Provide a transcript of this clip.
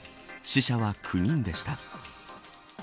死者は９人でした。